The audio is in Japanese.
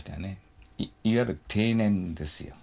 いわゆる諦念ですよ。